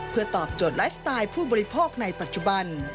เพื่อตอบโจทย์ไลฟ์สไตล์ผู้บริโภคในปัจจุบัน